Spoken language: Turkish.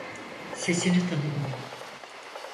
Sesini tanıdım.